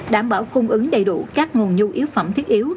đảm bảo cung ứng đầy đủ các nguồn nhu yếu phẩm thiết yếu